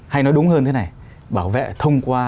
hay nói đúng hơn thế này bảo vệ thông qua